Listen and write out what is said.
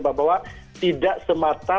bahwa tidak semata